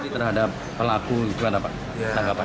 terhadap pelaku terhadap tanggapan